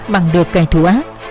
bằng được kẻ thù ác